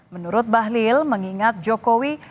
menurut bahlil mengingat jokowi